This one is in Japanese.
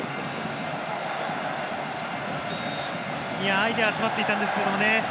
アイデア詰まっていたんですけどね。